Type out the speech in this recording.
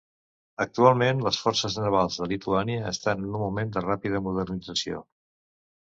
Actualment, les forces navals de Lituània estan en un moment de ràpida modernització.